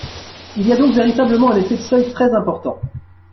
Il y a donc véritablement un effet de seuil très important.